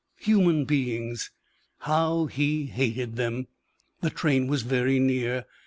Human beings! How he hated them! The train was very near.